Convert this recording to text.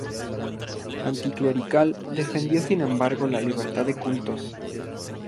Anticlerical, defendió sin embargo la libertad de cultos.